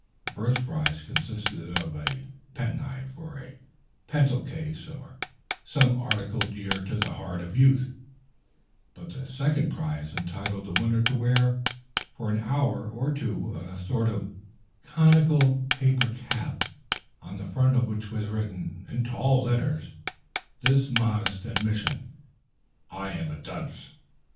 The first prize consisted of a penknife, or a pencil case, or some such article dear to the heart of youth; the second prize entitled the winner to wear for an hour or two a sort of conical paper cap, on the front of which was written, in tall letters, this modest admission: I AM A DUNCE!